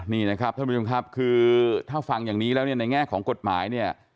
นี่นะครับท่านผู้ชมครับคือถ้าฟังอย่างนี้แล้วเนี่ยในแง่ของกฎหมายเนี่ย